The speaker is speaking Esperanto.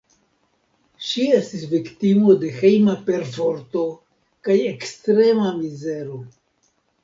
Ŝi estis viktimo de hejma perforto kaj ekstrema mizero.